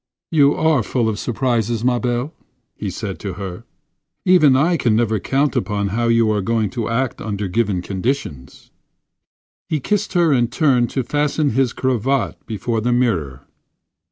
"You are full of surprises, ma belle," he said to her. "Even I can never count upon how you are going to act under given conditions." He kissed her and turned to fasten his cravat before the mirror.